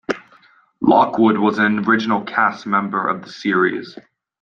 Lockwood was an original cast member of the series.